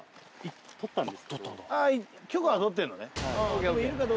ああ許可は取ってんのね。